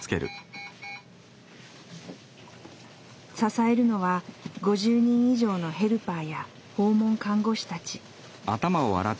支えるのは５０人以上のヘルパーや訪問看護師たち。